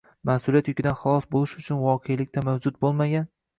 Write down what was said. Mas’uliyat yukidan xalos bo‘lish uchun voqelikda mavjud bo‘lmagan, b